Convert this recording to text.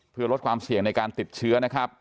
เพื่อลดความเสี่ยงในการติดเชื้อนะครับ